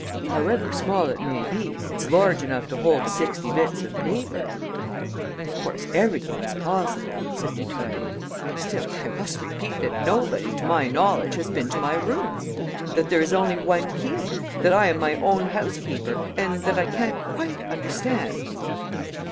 "However small it may be, it's large enough to hold sixty bits of paper." "Of course, everything is possible," said Dutreuil. "Still, I must repeat that nobody, to my knowledge, has been to my rooms; that there is only one key; that I am my own housekeeper; and that I can't quite understand...."